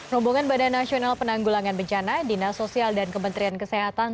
rombongan badan nasional penanggulangan bencana dinas sosial dan kementerian kesehatan